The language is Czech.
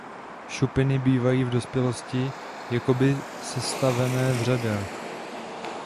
Šupiny bývají v dospělosti jakoby sestavené v řadách.